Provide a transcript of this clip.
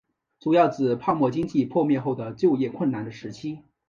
主要指泡沫经济破灭后的就业困难的时期。